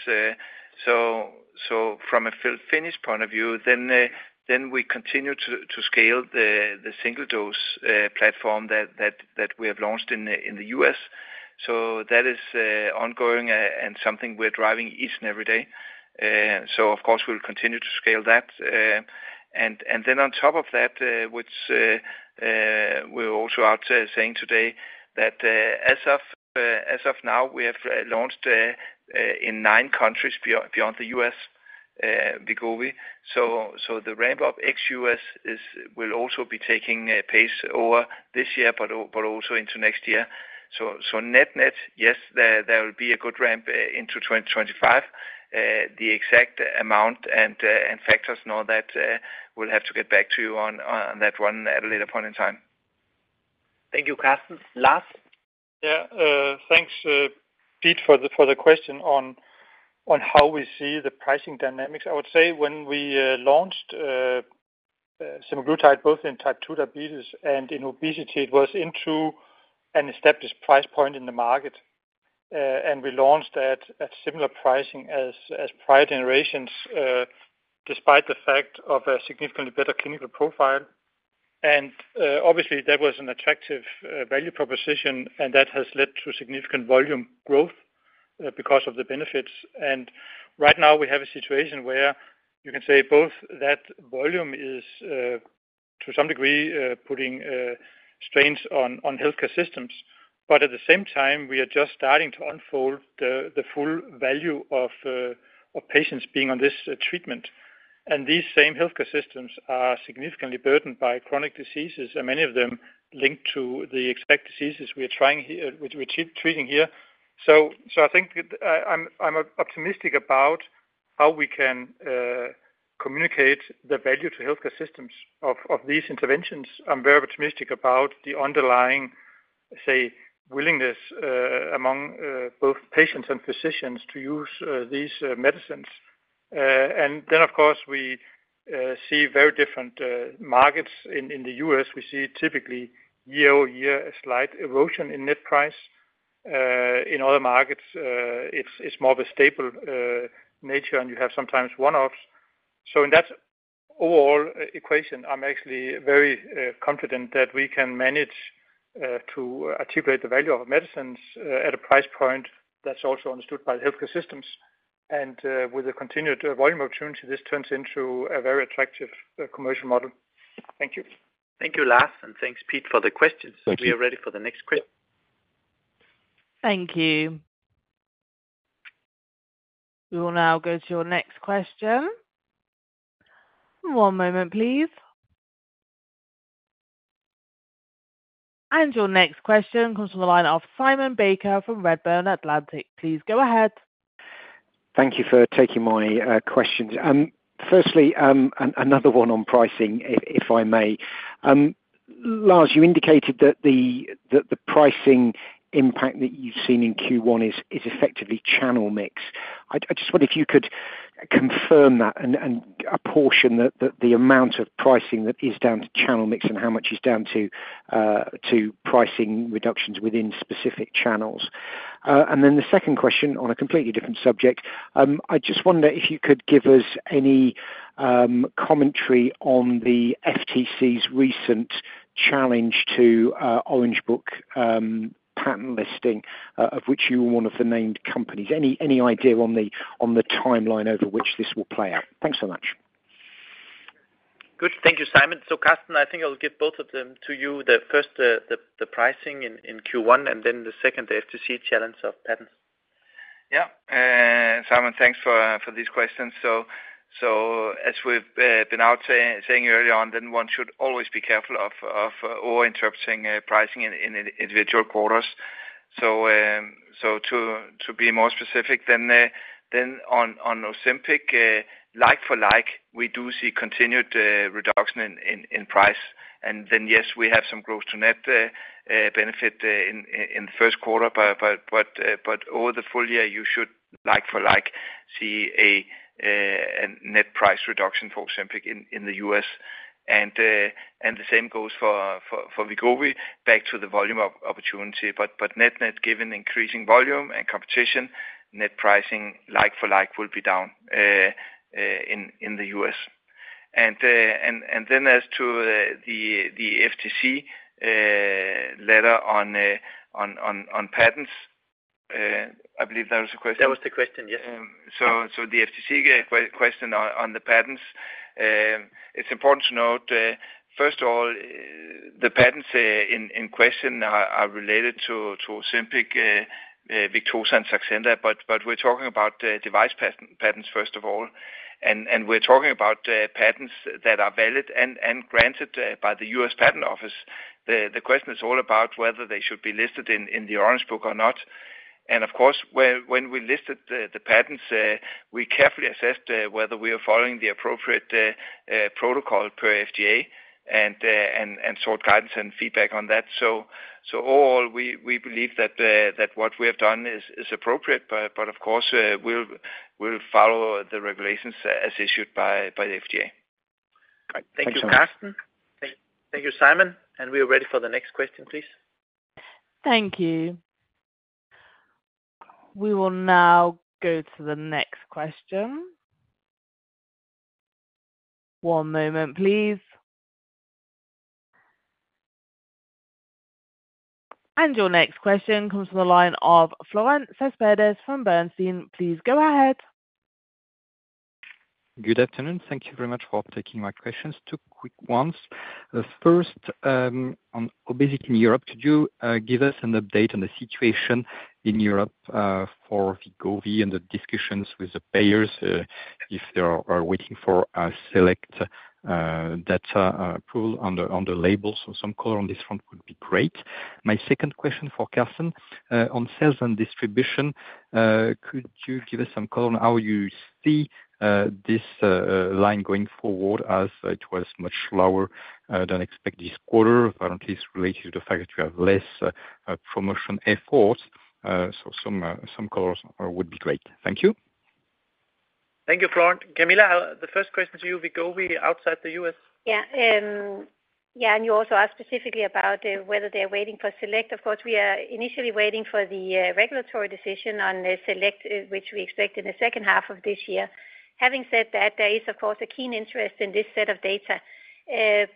From a fill-finish point of view, then we continue to scale the single dose platform that we have launched in the US. So that is ongoing and something we're driving each and every day. Of course, we'll continue to scale that. And then on top of that, we're also announcing today that as of now, we have launched in 9 countries beyond the U.S., Wegovy. So the ramp up ex-U.S. will also be taking a pace over this year, but also into next year. So net-net, yes, there will be a good ramp into 2025. The exact amount and factors and all that, we'll have to get back to you on that one at a later point in time. Thank you, Karsten. Lars? Yeah, thanks, Pete, for the question on how we see the pricing dynamics. I would say when we launched semaglutide, both in type 2 diabetes and in obesity, it was into an established price point in the market. And we launched at similar pricing as prior generations, despite the fact of a significantly better clinical profile. And obviously, there was an attractive value proposition, and that has led to significant volume growth because of the benefits. And right now, we have a situation where you can say both that volume is to some degree putting strains on healthcare systems, but at the same time, we are just starting to unfold the full value of patients being on this treatment. These same healthcare systems are significantly burdened by chronic diseases, and many of them linked to the exact diseases we are trying here, which we're treating here. So I think, I'm optimistic about how we can communicate the value to healthcare systems of these interventions. I'm very optimistic about the underlying, say, willingness among both patients and physicians to use these medicines. And then, of course, we see very different markets. In the U.S., we see typically year-over-year a slight erosion in net price. In other markets, it's more of a stable nature, and you have sometimes one-offs. So in that overall equation, I'm actually very confident that we can manage to articulate the value of our medicines at a price point that's also understood by the healthcare systems. And with the continued volume opportunity, this turns into a very attractive commercial model. Thank you. Thank you, Lars, and thanks, Pete, for the questions. Thank you. We are ready for the next question. Thank you. We will now go to our next question. One moment, please. Your next question comes from the line of Simon Baker from Redburn Atlantic. Please go ahead. Thank you for taking my questions. Firstly, another one on pricing, if I may. Lars, you indicated that the pricing impact that you've seen in Q1 is effectively channel mix. I'd just wonder if you could confirm that and apportion the amount of pricing that is down to channel mix, and how much is down to pricing reductions within specific channels? And then the second question on a completely different subject: I just wonder if you could give us any commentary on the FTC's recent challenge to Orange Book patent listing, of which you were one of the named companies. Any idea on the timeline over which this will play out? Thanks so much. Good. Thank you, Simon. So, Karsten, I think I'll give both of them to you. The first, the pricing in Q1, and then the second, the FTC challenge of patents. Yeah. Simon, thanks for these questions. So, as we've been out saying earlier on, then one should always be careful of over-interpreting pricing in individual quarters. So, to be more specific, then, on Ozempic, like for like, we do see continued reduction in price. And then, yes, we have some growth to net benefit in the first quarter. But over the full year, you should like for like, see a net price reduction for Ozempic in the U.S. And the same goes for Wegovy, back to the volume opportunity. But net-net, given increasing volume and competition, net pricing like for like, will be down in the U.S. Then as to the FTC letter on patents, I believe that was the question? That was the question, yes. So the FTC question on the patents, it's important to note, first of all, the patents in question are related to Ozempic, Victoza, and Saxenda. But we're talking about device patents, first of all, and we're talking about patents that are valid and granted by the U.S. Patent Office. The question is all about whether they should be listed in the Orange Book or not. And of course, when we listed the patents, we carefully assessed whether we are following the appropriate protocol per FDA and sought guidance and feedback on that. So we believe that what we have done is appropriate. But of course, we'll follow the regulations as issued by the FDA. Great. Thank you so much. Thank you, Karsten. Thank you, Simon. We are ready for the next question, please. Thank you. We will now go to the next question. One moment, please. Your next question comes from the line of Florent Cespedes from Bernstein. Please go ahead. Good afternoon. Thank you very much for taking my questions. Two quick ones. First, on obesity in Europe, could you give us an update on the situation in Europe, for Wegovy and the discussions with the payers, if they are waiting for a SELECT data pool on the labels? So some color on this front would be great. My second question for Karsten, on sales and distribution, could you give us some color on how you see this line going forward as it was much lower than expected this quarter, but at least related to the fact that you have less promotion efforts? So some colors would be great. Thank you. Thank you, Florent. Camilla, the first question to you, Wegovy outside the U.S. And you also asked specifically about whether they are waiting for SELECT. Of course, we are initially waiting for the regulatory decision on the SELECT, which we expect in the second half of this year. Having said that, there is, of course, a keen interest in this set of data.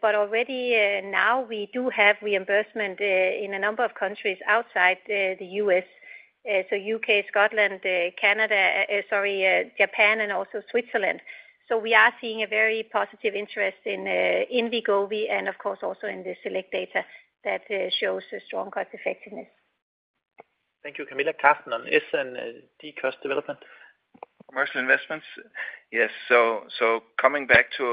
But already now we do have reimbursement in a number of countries outside the U.S., so U.K., Scotland, Canada, sorry, Japan and also Switzerland. So we are seeing a very positive interest in Wegovy and of course, also in the SELECT data that shows a strong cost effectiveness. Thank you, Camilla. Karsten, on S&D cost development. Commercial investments? Yes, so coming back to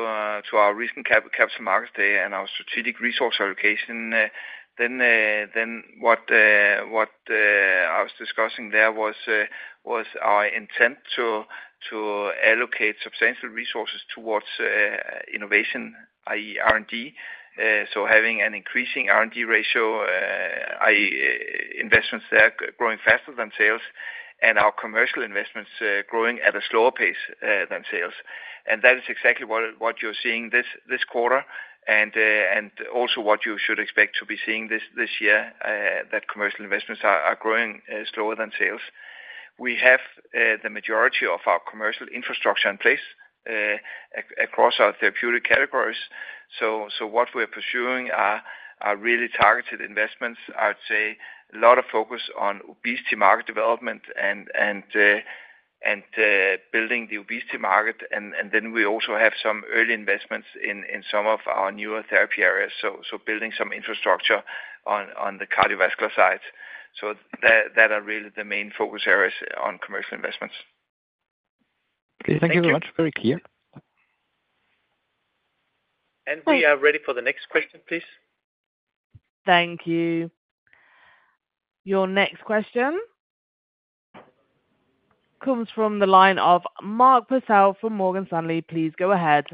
our recent Capital Markets Day and our strategic resource allocation, then what I was discussing there was our intent to allocate substantial resources towards innovation, i.e., R&D. So having an increasing R&D ratio, i.e., investments there growing faster than sales, and our commercial investments growing at a slower pace than sales. And that is exactly what you're seeing this quarter, and also what you should expect to be seeing this year, that commercial investments are growing slower than sales. We have the majority of our commercial infrastructure in place across our therapeutic categories. So what we're pursuing are really targeted investments. I would say a lot of focus on obesity market development and building the obesity market. And then we also have some early investments in some of our newer therapy areas, so building some infrastructure on the cardiovascular side. So that are really the main focus areas on commercial investments. Okay, thank you very much. Very clear. We are ready for the next question, please. Thank you. Your next question comes from the line of Mark Purcell from Morgan Stanley. Please go ahead.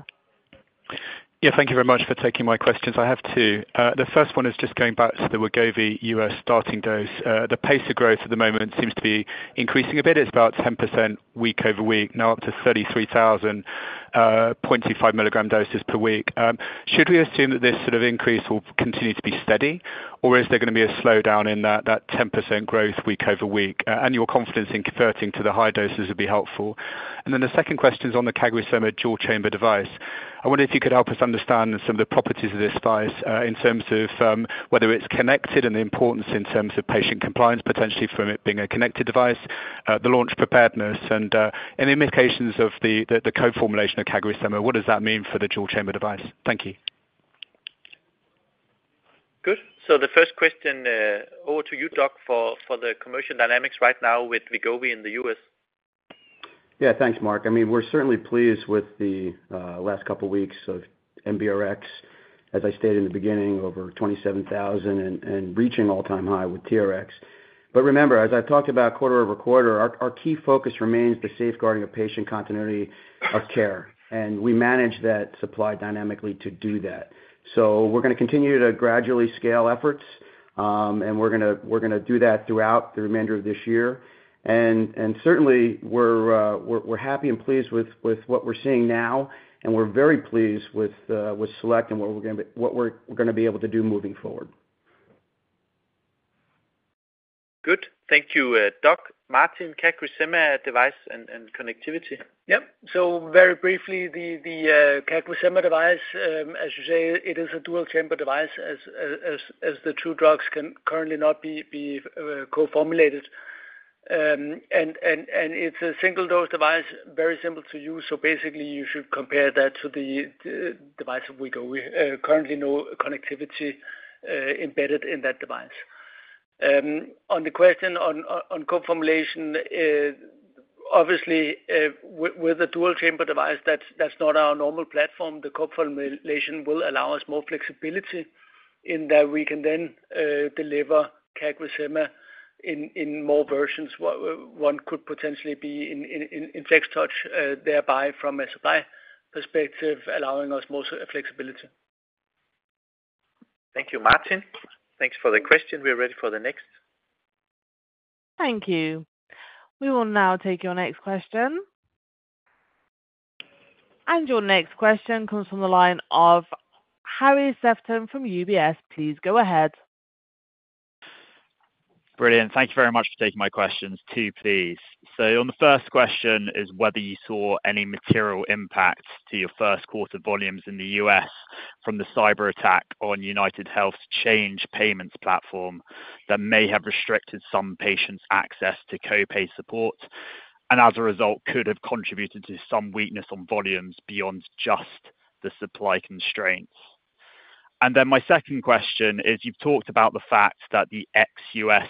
Yeah, thank you very much for taking my questions. I have two. The first one is just going back to the Wegovy U.S. starting dose. The pace of growth at the moment seems to be increasing a bit. It's about 10% week over week, now up to 33,000 0.25 mg doses per week. Should we assume that this sort of increase will continue to be steady, or is there gonna be a slowdown in that, that 10% growth week over week? And your confidence in converting to the high doses would be helpful. And then the second question is on the CagriSema dual-chamber device. I wonder if you could help us understand some of the properties of this device, in terms of whether it's connected and the importance in terms of patient compliance, potentially from it being a connected device, the launch preparedness and any implications of the co-formulation of CagriSema. What does that mean for the dual-chamber device? Thank you. Good. So the first question, over to you, Doug, for the commercial dynamics right now with Wegovy in the U.S. Yeah, thanks, Mark. I mean, we're certainly pleased with the last couple of weeks of NBRx, as I stated in the beginning, over 27,000 and reaching all-time high with TRx. But remember, as I've talked about quarter-over-quarter, our key focus remains the safeguarding of patient continuity of care, and we manage that supply dynamically to do that. So we're gonna continue to gradually scale efforts, and we're gonna do that throughout the remainder of this year. Certainly we're happy and pleased with what we're seeing now, and we're very pleased with SELECT and what we're gonna be able to do moving forward. Good. Thank you, Doug. Martin, CagriSema device and connectivity. Yep. So very briefly, the CagriSema device, as you say, it is a dual-chamber device as the two drugs can currently not be co-formulated. And it's a single-dose device, very simple to use, so basically you should compare that to the device of Wegovy. Currently, no connectivity embedded in that device. On the question on co-formulation, obviously, with a dual-chamber device, that's not our normal platform. The co-formulation will allow us more flexibility in that we can then deliver CagriSema in more versions. One could potentially be in FlexTouch, thereby from a supply perspective, allowing us more flexibility. Thank you, Martin. Thanks for the question. We are ready for the next. Thank you. We will now take your next question. Your next question comes from the line of Harry Sephton from UBS. Please go ahead. Brilliant. Thank you very much for taking my questions. Two, please. So on the first question is whether you saw any material impact to your first quarter volumes in the U.S. from the cyberattack on UnitedHealth's Change Healthcare payments platform that may have restricted some patients' access to co-pay support, and as a result, could have contributed to some weakness on volumes beyond just the supply constraints? And then my second question is, you've talked about the fact that the ex-U.S.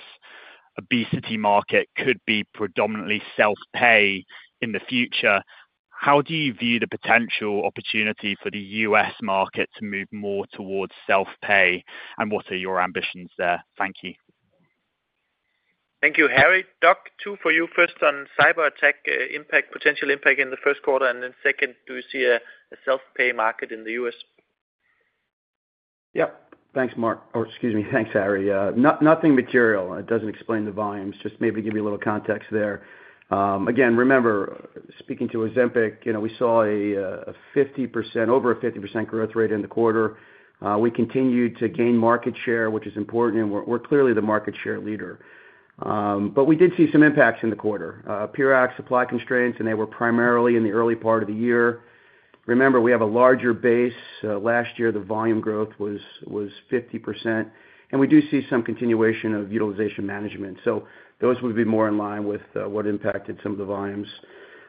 obesity market could be predominantly self-pay in the future. How do you view the potential opportunity for the U.S. market to move more towards self-pay, and what are your ambitions there? Thank you. Thank you, Harry. Doug, two for you. First, on cyberattack, impact, potential impact in the first quarter, and then second, do you see a self-pay market in the U.S.? Yep. Thanks, Mark. Or excuse me. Thanks, Harry. Nothing material. It doesn't explain the volumes, just maybe give you a little context there. Again, remember, speaking to Ozempic, you know, we saw a 50%, over a 50% growth rate in the quarter. We continued to gain market share, which is important, and we're clearly the market share leader. But we did see some impacts in the quarter. Periodic supply constraints, and they were primarily in the early part of the year. Remember, we have a larger base. Last year, the volume growth was 50%, and we do see some continuation of utilization management. So those would be more in line with what impacted some of the volumes.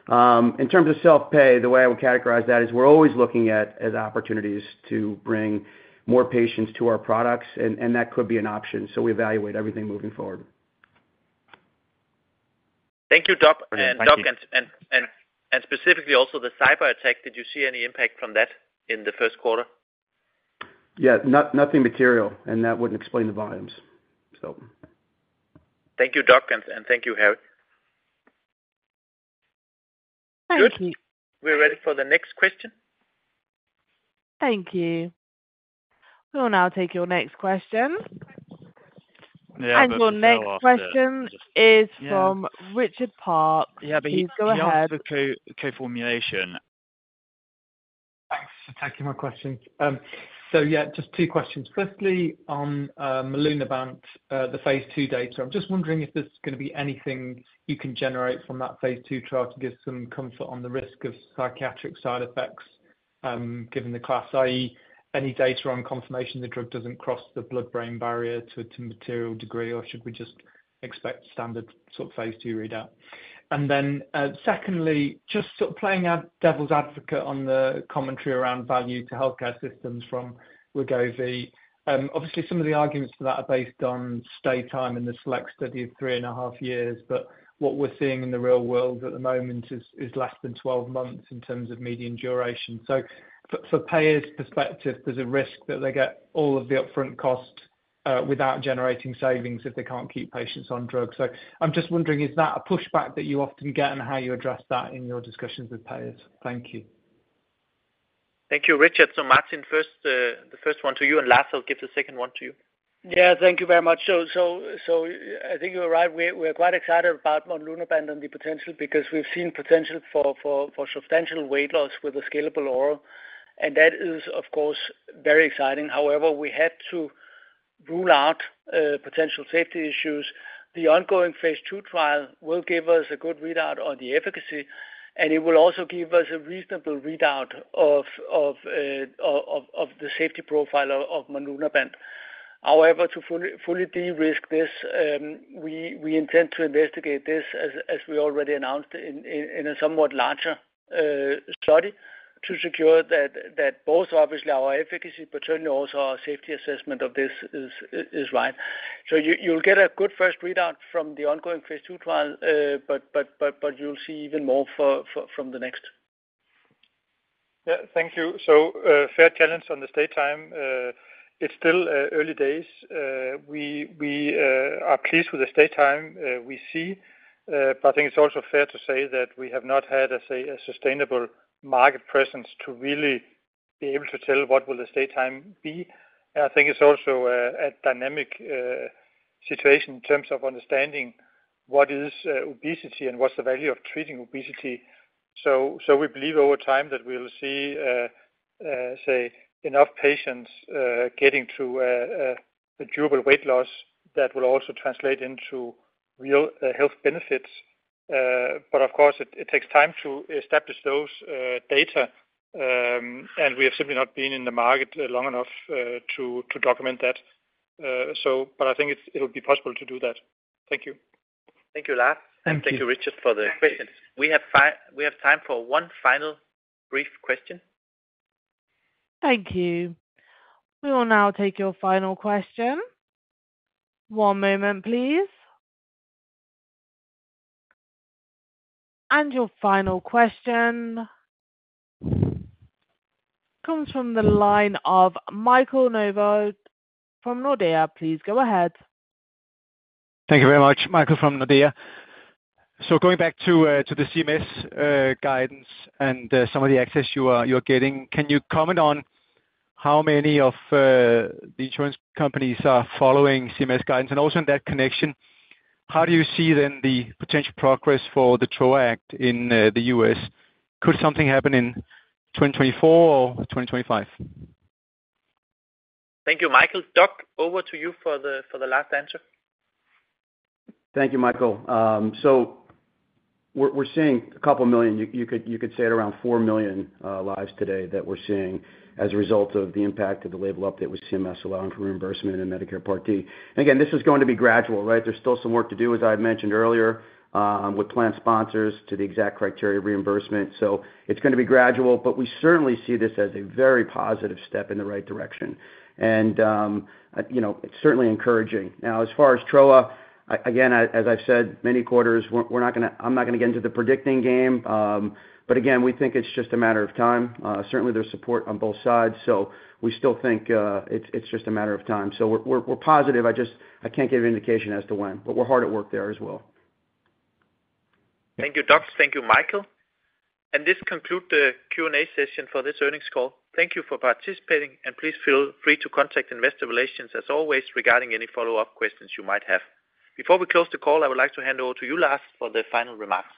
In terms of self-pay, the way I would categorize that is we're always looking at as opportunities to bring more patients to our products, and that could be an option. We evaluate everything moving forward. Thank you, Doug. Thank you. Doug, specifically also the cyberattack, did you see any impact from that in the first quarter? Yeah, nothing material, and that wouldn't explain the volumes, so. Thank you, Doug, and thank you, Harry. Thank you. Good. We're ready for the next question. Thank you. We'll now take your next question. Yeah, but after- Your next question is from- Yeah Richard Parkes. Yeah, but he- Please go ahead. The co-formulation. Thanks for taking my question. So yeah, just two questions. Firstly, on Monlunabant, the phase 2 data. I'm just wondering if there's gonna be anything you can generate from that phase II trial to give some comfort on the risk of psychiatric side effects, given the class, i.e., any data on confirmation the drug doesn't cross the blood-brain barrier to a material degree, or should we just expect standard sort of phase II readout? And then, secondly, just sort of playing devil's advocate on the commentary around value to healthcare systems from Wegovy. Obviously some of the arguments for that are based on stay time in the SELECT study of 3.5 years, but what we're seeing in the real world at the moment is less than 12 months in terms of median duration. So for payers' perspective, there's a risk that they get all of the upfront costs, without generating savings if they can't keep patients on drugs. So I'm just wondering, is that a pushback that you often get, and how you address that in your discussions with payers? Thank you. Thank you, Richard. So, Martin, first, the first one to you, and Lars, I'll give the second one to you. Yeah, thank you very much. So, I think you're right. We're quite excited about Monlunabant and the potential, because we've seen potential for substantial weight loss with a scalable oral, and that is, of course, very exciting. However, we had to rule out potential safety issues. The ongoing phase II trial will give us a good readout on the efficacy, and it will also give us a reasonable readout of the safety profile of Monlunabant. However, to fully de-risk this, we intend to investigate this, as we already announced in a somewhat larger study, to secure that both obviously our efficacy but certainly also our safety assessment of this is right. So you'll get a good first readout from the ongoing phase II trial, but you'll see even more from the next. Yeah. Thank you. So, fair challenge on the stay time. It's still early days. We are pleased with the stay time we see, but I think it's also fair to say that we have not had, let's say, a sustainable market presence to really be able to tell what the stay time will be. And I think it's also a dynamic situation in terms of understanding what is obesity and what's the value of treating obesity. So we believe over time that we'll see, say, enough patients getting to a durable weight loss that will also translate into real health benefits. But of course, it takes time to establish those data, and we have simply not been in the market long enough to document that. So, but I think it'll be possible to do that. Thank you. Thank you, Lars. Thank you. Thank you, Richard, for the question. We have time for one final brief question. Thank you. We will now take your final question. One moment, please. And your final question comes from the line of Michael Novod from Nordea. Please go ahead. Thank you very much, Michael from Nordea. So going back to the CMS guidance and some of the access you're getting, can you comment on how many of the insurance companies are following CMS guidance? And also in that connection, how do you see then the potential progress for the TROA Act in the U.S.? Could something happen in 2024 or 2025? Thank you, Michael. Doug, over to you for the last answer. Thank you, Michael. So we're seeing a couple million, you could say at around 4 million lives today that we're seeing as a result of the impact of the label update with CMS allowing for reimbursement in Medicare Part D. Again, this is going to be gradual, right? There's still some work to do, as I had mentioned earlier, with plan sponsors to the exact criteria of reimbursement. So it's gonna be gradual, but we certainly see this as a very positive step in the right direction. And, you know, it's certainly encouraging. Now, as far as TROA, again, as I've said, many quarters, we're not gonna—I'm not gonna get into the predicting game. But again, we think it's just a matter of time. Certainly there's support on both sides, so we still think it's just a matter of time. So we're positive. I just can't give an indication as to when, but we're hard at work there as well. Thank you, Doug. Thank you, Michael. This concludes the Q&A session for this earnings call. Thank you for participating, and please feel free to contact investor relations, as always, regarding any follow-up questions you might have. Before we close the call, I would like to hand over to you, Lars, for the final remarks.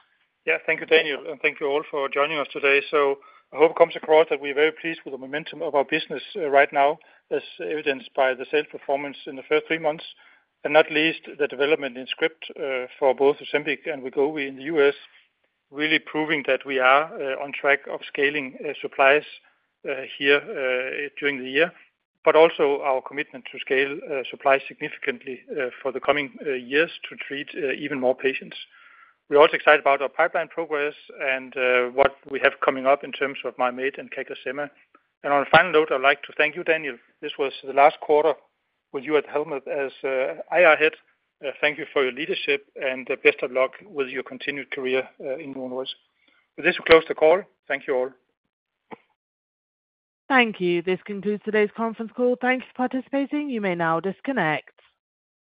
Yeah. Thank you, Daniel, and thank you all for joining us today. So I hope it comes across that we are very pleased with the momentum of our business, right now, as evidenced by the sales performance in the first three months, and not least, the development in script, for both Ozempic and Wegovy in the US, really proving that we are, on track of scaling, supplies, here, during the year, but also our commitment to scale, supply significantly, for the coming, years to treat, even more patients. We're also excited about our pipeline progress and, what we have coming up in terms of Mim8 and CagriSema. And on a final note, I'd like to thank you, Daniel. This was the last quarter with you at the helm as, IR head. Thank you for your leadership and best of luck with your continued career in Novo Nordisk. With this, we close the call. Thank you all. Thank you. This concludes today's conference call. Thank you for participating. You may now disconnect.